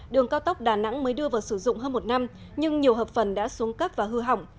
đường cao tốc đà nẵng mới đưa vào sử dụng hơn một năm nhưng nhiều hợp phần đã xuống cấp và hư hỏng